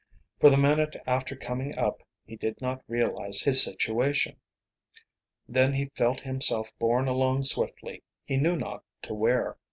For the minute after coming up he did not realize his situation. Then he felt himself borne along swiftly, he knew not to where.